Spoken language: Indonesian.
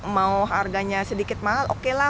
mau harganya sedikit mahal oke lah